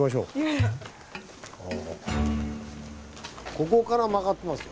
ここから曲がってますよ。